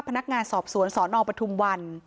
พนักงานสอบสวนสนปทุมวัน